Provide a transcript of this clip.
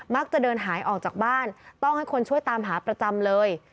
จะเดินหายออกจากบ้านต้องให้คนช่วยตามหาประจำเลย